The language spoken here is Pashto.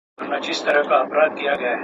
دوې درې ورځي کراري وه هر څه ښه وه.